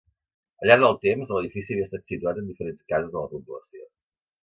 Al llarg del temps, l'edifici havia estat situat en diferents cases de la població.